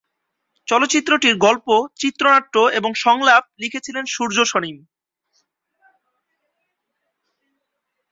চলচ্চিত্রটির গল্প, চিত্রনাট্য এবং সংলাপ লিখেছিলেন সূর্য সনিম।